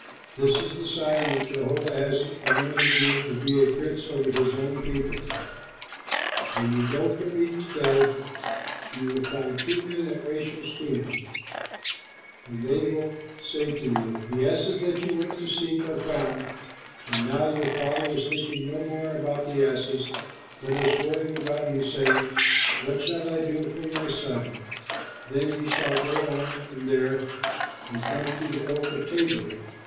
This is the sign that Jehovah has anointed you to be a prince over his own people: when you go from me to day you shall find two men at Rachel's tomb; and they will say to you, 'The asses that you went to seek are found, and now your father is thinking no more about the asses but is worrying about you, saying, "What shall I do for my son?"' Then you shall go on from there and come to the oak of Tabor.